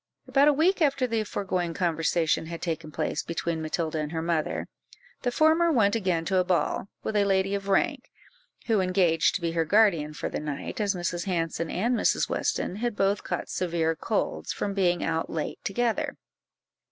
About a week after the foregoing conversation had taken place between Matilda and her mother, the former went again to a ball, with a lady of rank, who engaged to be her guardian for the night, as Mrs. Hanson and Mrs. Weston had both caught severe colds, from being out late together.